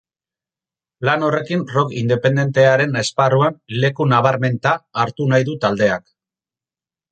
Lan horrekin rock independentearen esparruan leku nabarmenta hartu nahi du taldeak.